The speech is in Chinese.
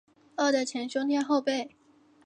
饿得前胸贴后背